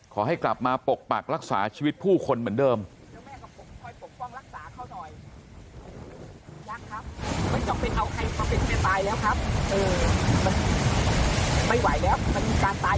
ขอให้กลับมาปกปากรักษาชีวิตผู้คนเหมือนเดิมแล้วแม่กับผมคอยปกป้องรักษาเข้าหน่อย